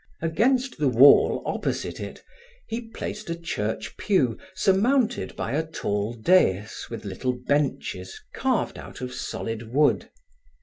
Against the wall, opposite it, he placed a church pew surmounted by a tall dais with little benches carved out of solid wood.